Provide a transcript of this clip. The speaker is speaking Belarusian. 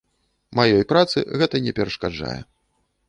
Маёй працы гэта не перашкаджае.